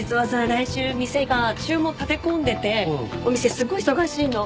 来週店が注文立て込んでてお店すごい忙しいの。